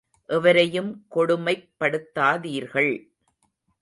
எவரையும் கொடுமைப் படுத்தாதீர்கள்.